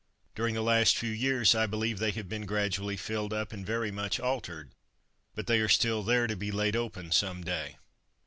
During the last few years, I believe they have been gradually filled up and very much altered, but they are still there to be laid open some day.